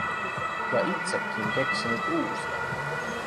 Ja itsekin keksinyt uusia.